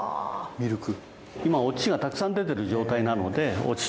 ミルク。